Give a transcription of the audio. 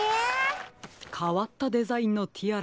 かわったデザインのティアラですね。